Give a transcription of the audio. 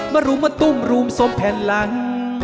มารุมมาตุ้มรุมสมแผ่นหลัง